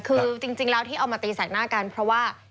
คือจริงแล้วที่เอามาตีแสกหน้ากันเพราะว่า